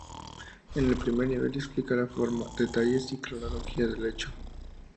En el primer nivel explica la forma, detalles y cronología del hecho.